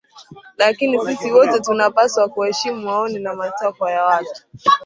lakini sisi wote tunapaswa kuheshimu maoni na matakwa ya watu